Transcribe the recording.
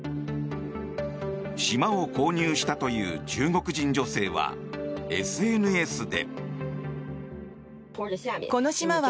島を購入したという中国人女性はＳＮＳで。